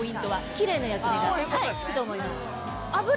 キレイな焼け目がつくと思います。